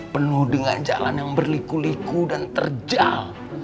penuh dengan jalan yang berliku liku dan terjal